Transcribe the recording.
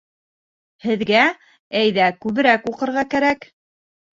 Һеҙгә әйҙә күберәк уҡырға кәрәк